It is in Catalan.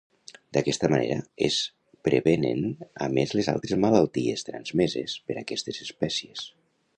D'aquesta manera es prevenen a més les altres malalties transmeses per aquestes espècies.